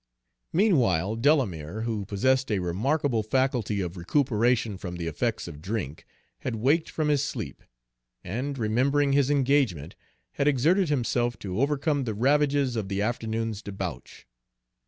Meanwhile Delamere, who possessed a remarkable faculty of recuperation from the effects of drink, had waked from his sleep, and remembering his engagement, had exerted himself to overcome the ravages of the afternoon's debauch.